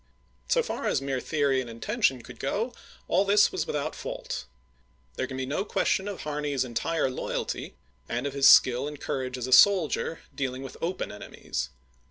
So far as mere theory and intention could go, all this was without fault. There can be no question of Harney's entire loyalty, and of his skill and courage as a soldier dealing with open enemies.